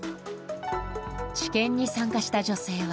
治験に参加した女性は。